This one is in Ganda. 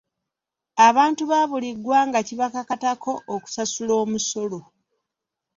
Abantu ba buli ggwanga kibakakatako okusasula omusolo.